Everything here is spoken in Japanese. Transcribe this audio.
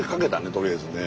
とりあえずね。